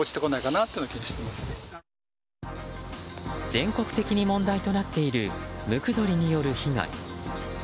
全国的に問題となっているムクドリによる被害。